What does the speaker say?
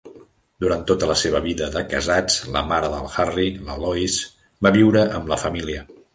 Durant tota la seva vida de casats, la mare del Harry, la Lois, va viure amb la família.